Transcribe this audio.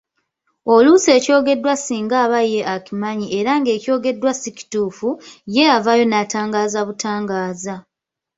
Oluusi ekyogeddwa singa aba ye akimanyi era ng’ekyogeddwa si kituufu, ye avaayo n’atangaaza butangaaza.